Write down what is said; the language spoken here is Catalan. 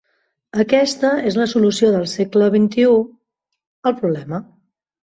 Aquesta és la solució del segle XXI al problema.